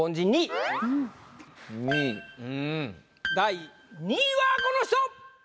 第２位はこの人！